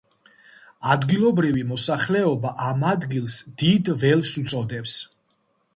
ადგილობრივი მოსახლეობა ამ ადგილს დიდ ველს უწოდებს.